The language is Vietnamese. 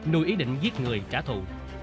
nuôi ý định giết người trả thụ